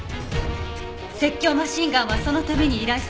説教マシンガンはそのために依頼されたのかも。